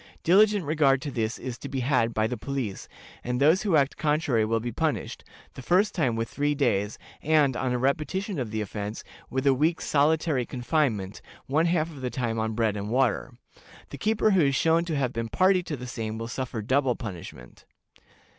Diligent regard to this is to be had by the police, and those who act contrary will be punished, the first time with three days, and, on a repetition of the offense, with a week's solitary confinement, one half of the time on bread and water. The keeper who is shown to have been party to the same will suffer double punishment.